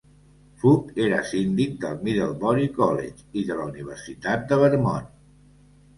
Foot era síndic del Middlebury College i de la Universitat de Vermont.